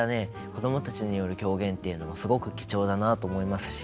子供たちによる狂言というのもすごく貴重だなと思いますし。